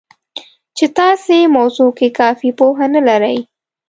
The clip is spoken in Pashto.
چې تاسې موضوع کې کافي پوهه نه لرئ